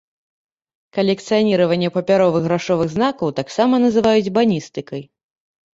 Калекцыяніраванне папяровых грашовых знакаў таксама называюць баністыкай.